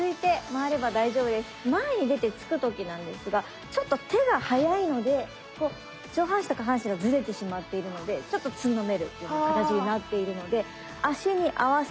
前に出て突く時なんですがちょっと手が速いので上半身と下半身がズレてしまっているのでちょっとつんのめる形になっているので足に合わせて手をのせてくる。